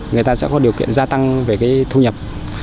người ta sẽ có điều kiện gia tăng về cái thu nhập